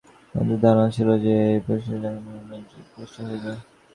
য়াহুদীদের ধারণা ছিল যে, এই পৃথিবীতেই স্বর্গরাজ্য বলিয়া একটি রাজ্য প্রতিষ্ঠিত হইবে।